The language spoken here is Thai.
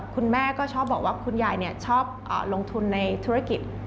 คุณแม่ก็ชอบบอกว่าคุณยายชอบลงทุนในธุรกิจ